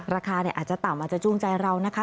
ราคาอาจจะต่ำอาจจะจูงใจเรานะคะ